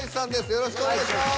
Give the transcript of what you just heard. よろしくお願いします。